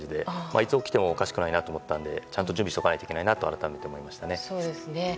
いつ起きてもおかしくないと思ったのでちゃんと準備しておかないといけないと改めて思いましたね。